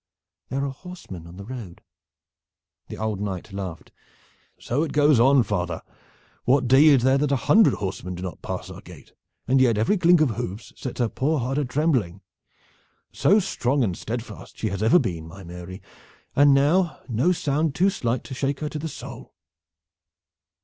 "There are horsemen on the road." The old knight laughed. "So it goes on, father. What day is there that a hundred horsemen do not pass our gate, and yet every clink of hoofs sets her poor heart a trembling. So strong and steadfast she has ever been, my Mary, and now no sound too slight to shake her to the soul!